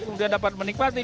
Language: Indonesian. kemudian dapat menikmati